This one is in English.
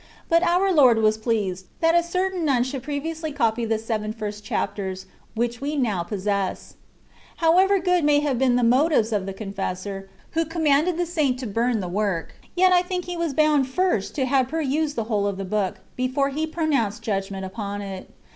But our Lord was pleased that a cer tain nun should previously copy the seven first chapters, which we now possess. However good may have been the motives of the confessor, who commanded the Saint to bum the work; yet I think he was hckxnA first to have perused the whole of the book, before he pro nounced judgment upon it.